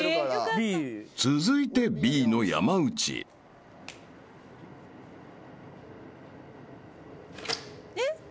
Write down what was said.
［続いてＢの山内］えっ？